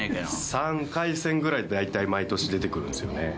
３回戦ぐらいで大体毎年、出てくるんですよね。